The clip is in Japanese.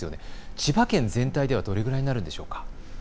千葉県全体ではどのくらいなんでしょうか。